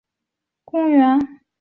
新兴里活动中心新兴社区公园